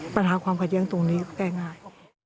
ปัญหาความขัดแย้งตรงนี้แก้ง่าย